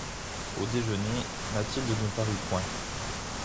Au déjeuner, Mathilde ne parut point.